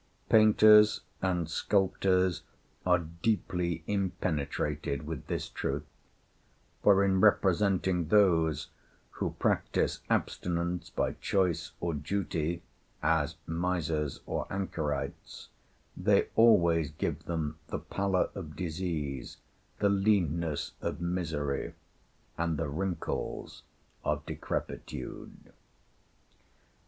Painters and sculptors are deeply impenetrated with this truth; for in representing those who practice abstinence by choice or duty as misers or anchorites, they always give them the pallor of disease, the leanness of misery, and the wrinkles of decrepitude.